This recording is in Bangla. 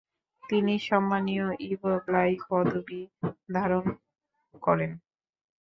তিনি সম্মানীয় ইভো ব্লাই পদবী ধারণ করেন।